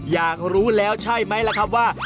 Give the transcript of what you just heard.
อยากรู้แล้วใช่ไหมล่ะครับว่า